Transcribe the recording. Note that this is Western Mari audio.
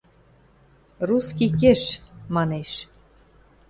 – Русский кеш, – манеш.